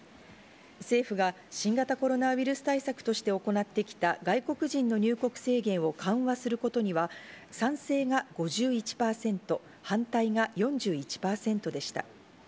政府が新型コロナウイルス対策として行ってきた外国人の入国制限を緩和することには賛成が５１％、反対が４１％でした。